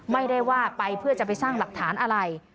ไม่ได้ว่าไปเพื่อจะไปสร้างหลักฐานอะไร